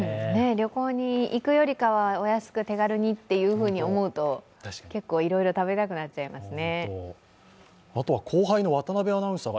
旅行に行くよりかはお安く手軽にと思うと結構いろいろ食べたくなっちゃいますね。